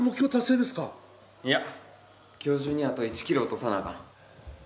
いや今日中にあと１キロ落とさなあかん